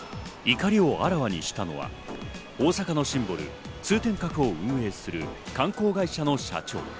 怒りをあらわにしたのは大阪のシンボル・通天閣を運営する観光会社の社長。